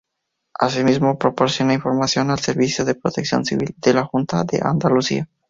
Asimismo, proporciona información al Servicio de Protección Civil de la Junta de Andalucía.